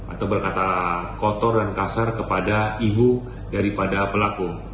atau berkata kotor dan kasar kepada ibu daripada pelaku